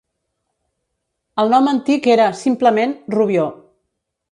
El nom antic era, simplement, Rubió.